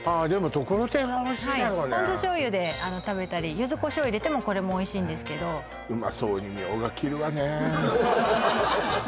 ところてんはおいしいだろうねポン酢醤油で食べたり柚子胡椒を入れてもこれもおいしいんですけどうまそうにみょうが切るわね